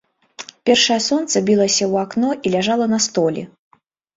Першае сонца білася ў акно і ляжала на столі.